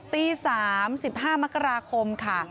ตี๓๑๕มกราคมค่ะ